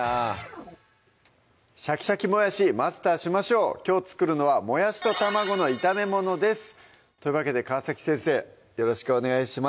シャキシャキもやしマスターしましょうきょう作るのは「もやしと卵の炒めもの」ですというわけで川先生よろしくお願いします